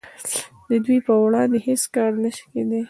د دوی په وړاندې هیڅ کار نشي کیدای